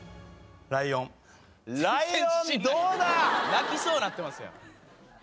泣きそうになってますやん。